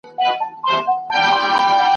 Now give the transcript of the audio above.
سره جمع به رندان وي ته به یې او زه به نه یم !.